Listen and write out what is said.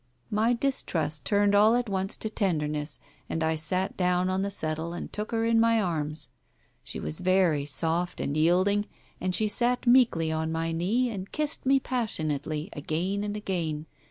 ..." My distrust turned all at once to tenderness, and I sat down on the settle and took her in my arms. She was very soft and yielding, and she sat meekly on my knee and kissed me passionately again and again.